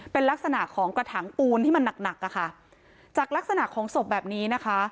เป็นลักษณะของกระถางปูนที่มันหนักหนักอะค่ะจากลักษณะของศพแบบนี้นะคะ